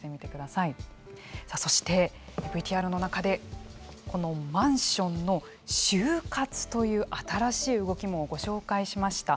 さあ、そしてＶＴＲの中でこのマンションの終活という新しい動きもご紹介しました。